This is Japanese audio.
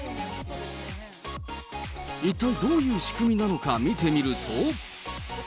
一体どういう仕組みなのか、見てみると。